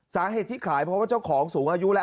สาเหตุที่ขายเพราะว่าเจ้าของสูงอายุแล้ว